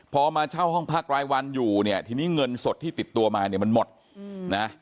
พอมาเช่าห้องพักรายวันอยู่เนี่ยทีนี้เงินสดที่ติดตัวมาเนี่ยมันหมดนะ